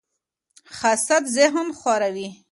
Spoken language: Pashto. حسد ذهن خوري